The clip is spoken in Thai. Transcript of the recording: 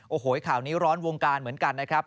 โอ้โหข่าวนี้ร้อนวงการเหมือนกันนะครับ